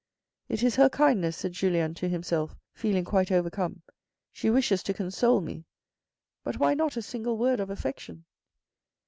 It is her kindness," said Julien to himself, feeling quite overcome. "She wishes to console me. But why not a single word of affection